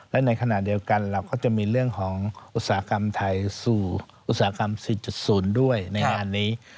และในขณะเดียวกันเราก็จะมีเรื่องของอุตสาหกรรมไทยสู่อุตสาหกรรม๔๐ด้วยในงานนี้